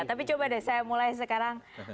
tapi coba deh saya mulai sekarang